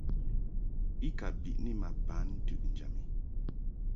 I ka biʼni ma ban ntɨʼnjam i.